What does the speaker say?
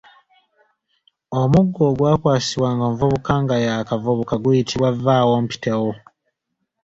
Omuggo ogwakwasibwanga omuvubuka nga y’akavubuka guyitibwa vvawompitewo.